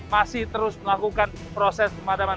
masih terus melakukan proses pemadaman